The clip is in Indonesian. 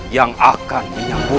yang akan menyambut